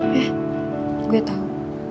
yah gue tau